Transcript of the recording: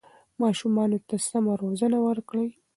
ماشومانو ته سمه روزنه ورکړئ.